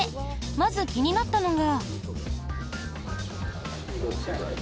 まず気になったのが。